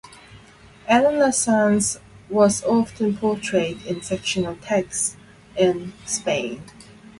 Elena Sanz was often portrayed in fictional texts in Spain.